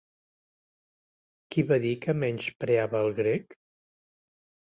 Qui va dir que menyspreava el grec?